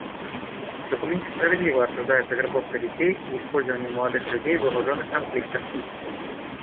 В документе справедливо осуждается вербовка детей и использование молодых людей в вооруженных конфликтах.